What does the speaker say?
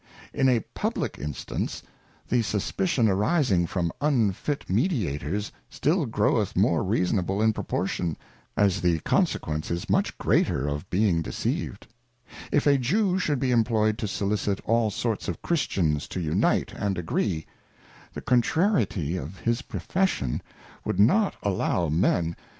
In a publick instance the suspicion arising from unfit Mediators, still groweth more reasonable in proportion, as the consequence is much greater of being deceived. If a Jew should be employed to soUicite all sorts of Christians to unite and agree ; the contrariety of his profession, would not allow Men I 2 to ii6 The Anatomy of an Equivalent.